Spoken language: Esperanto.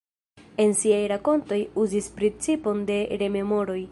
En siaj rakontoj uzis principon de rememoroj.